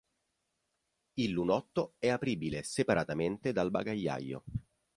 Il lunotto è apribile separatamente dal bagagliaio.